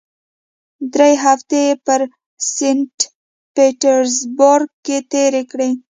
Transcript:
درې هفتې یې په سینټ پیټرزبورګ کې تېرې کړې.